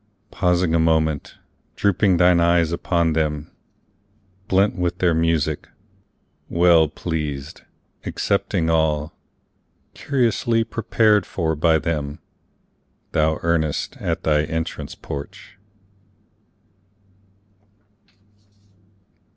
pausing a moment, drooping thine eyes upon them, blent with their music, Well pleased, accepting all, curiously prepared for by them, Thou enterest at thy entrance porch.